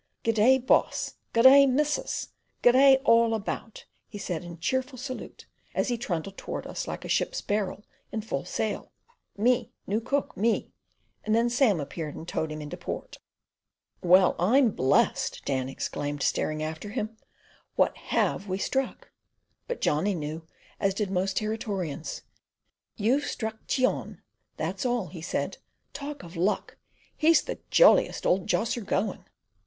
"Good day, boss! Good day, missus! Good day, all about," he said in cheerful salute, as he trundled towards us like a ship's barrel in full sail. "Me new cook, me—" and then Sam appeared and towed him into port. "Well, I'm blest!" Dan exclaimed, staring after him. "What HAVE we struck?" But Johnny knew, as did most Territorians. "You've struck Cheon, that's all," he said. "Talk of luck! He's the jolliest old josser going."